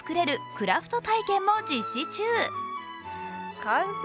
クラフト体験も実施中。